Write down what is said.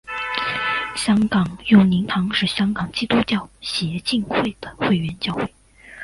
香港佑宁堂是香港基督教协进会的会员教会。